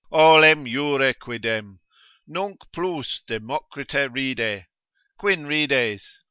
Olim jure quidem, nunc plus Democrite ride; Quin rides?